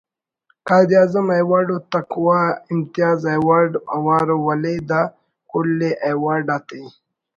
قائد اعظم ایوارڈ و تقویٰ امتیاز ایوارڈ اوار ءُ ولے دا کل ءِ ایوارڈ آتے